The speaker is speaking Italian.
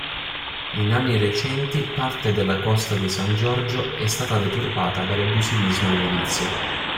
In anni recenti parte della costa di San Giorgio è stata deturpata dall'abusivismo edilizio.